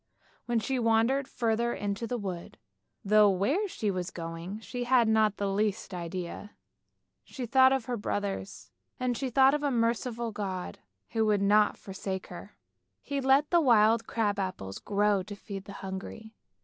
Then she wandered further into the wood, though where she was going she had not the least idea. She thought of her brothers, and she thought of a merciful God who would not forsake her. He let the wild crab apples grow to feed the hungry.